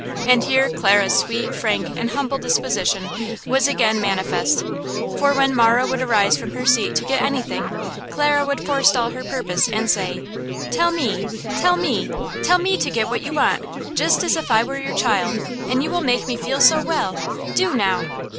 And here Clara's sweet, frank and humble disposition was again manifest, for when Marah would arise from her seat to get anything, Clara would forestall her purpose and say: "Tell me–tell me to get what you want–just as if I were your child, and you will make me feel so well–do, now!"